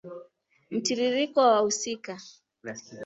Mtiririko wa wahusika